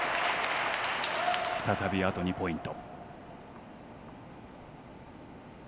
再びあと２ポイント。